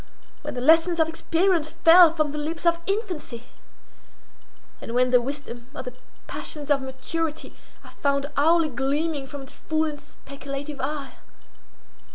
—when the lessons of experience fell from the lips of infancy? and when the wisdom or the passions of maturity I found hourly gleaming from its full and speculative eye?